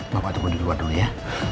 bapak tunggu di luar dulu ya